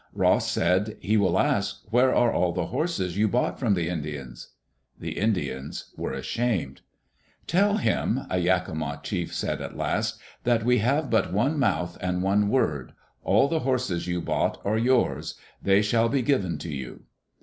Ross said, He will ask, * Where are all the horses you bought from the Indians?*" The Indians were ashamed. " Tell him, a Yakima chief said at last, that we have but one mouth and one word. All the horses you bought are yours. They shall be given to you.